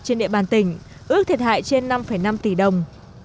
trên địa bàn tỉnh ước thiệt hại trên năm năm tỷ đồng